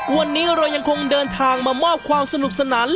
วันนี้เรายังคงเดินทางมามอบความสนุกสนาน